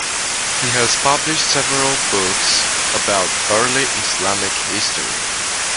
He has published several books about early Islamic history.